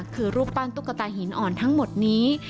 คือรูปปั้นตุ๊กตาหินอ่อนทั้งหมดนี้